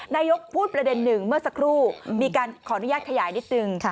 นายกพูดประเด็นหนึ่งเมื่อสักครู่มีการขออนุญาตขยายนิดนึง